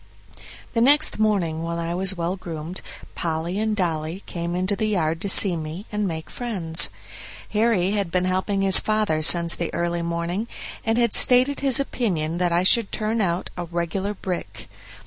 The next morning, when I was well groomed, Polly and Dolly came into the yard to see me and make friends. Harry had been helping his father since the early morning, and had stated his opinion that I should turn out a "regular brick".